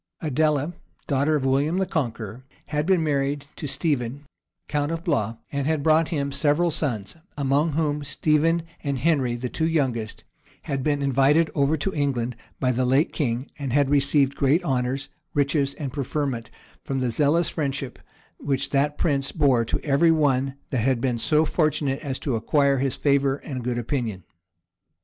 Adela, daughter of William the Conqueror, had been married to Stephen, count of Blois, and had brought him several sons; among whom Stephen and Henry, the two youngest, had been invited over to England by the late king and had received great honors, riches, and preferment, from the zealous friendship which that prince bore to every one that had been so fortunate as to acquire his favor and good opinion.